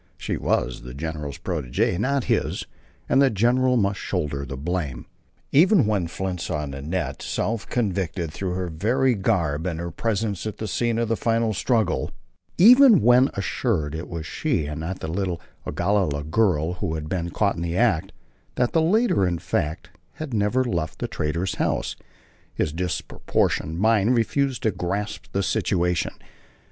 She was the general's protegée, not his, and the general must shoulder the blame. Even when Flint saw Nanette, self convicted through her very garb and her presence at the scene of the final struggle, even when assured it was she and not the little Ogalalla girl who had been caught in the act, that the latter, in fact, had never left the trader's house, his disproportioned mind refused to grasp the situation.